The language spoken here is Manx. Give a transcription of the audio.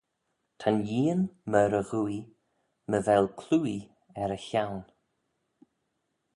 Ta'n yeean myr e ghooie my vel clooie er y chione